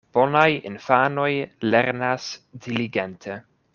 Bonaj infanoj lernas diligente.